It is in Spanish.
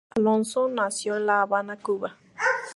Alonso nació en La Habana, Cuba.